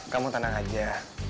kamu tenang aja